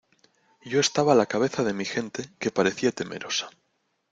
yo estaba a la cabeza de mi gente, que parecía temerosa